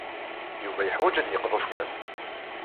Yuba yeḥwaj ad d-yeqḍu cwiṭ.